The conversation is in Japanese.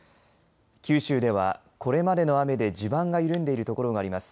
九州では、これまでの雨で地盤が緩んでいるところがあります。